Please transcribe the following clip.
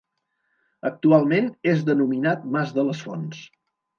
Actualment és denominat Mas de les Fonts.